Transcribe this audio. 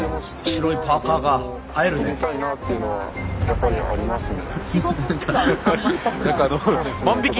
っていうのはやっぱりありますね。